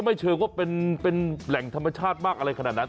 เชิงว่าเป็นแหล่งธรรมชาติมากอะไรขนาดนั้น